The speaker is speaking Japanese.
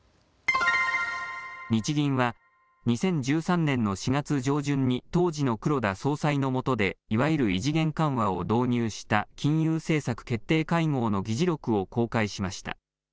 日銀は２０１３年の４月上旬に当時の黒田総裁のもとでいわゆる異次元緩和を導入した金融政策決定会合の議事録を公開しました。